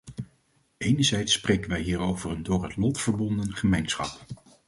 Enerzijds spreken wij hier over een door het lot verbonden gemeenschap.